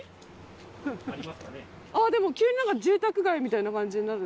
でも急に何か住宅街みたいな感じになる？